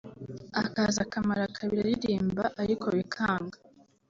akaza akamara kabiri aririmba ariko bikanga